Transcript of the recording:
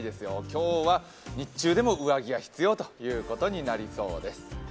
今日は日中でも上着が必要ということになりそうです。